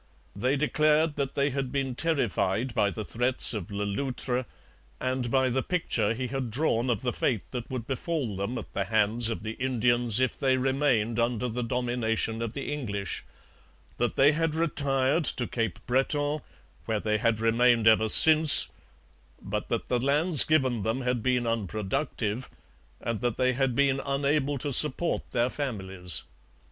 They declared that they had been terrified by the threats of Le Loutre, and by the picture he had drawn of the fate that would befall them at the hands of the Indians if they remained under the domination of the English; that they had retired to Cape Breton, where they had remained ever since; but that the lands given them had been unproductive, and that they had been unable to support their families.